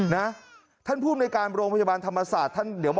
นะท่านภูมิในการโรงพยาบาลธรรมศาสตร์